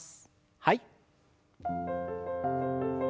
はい。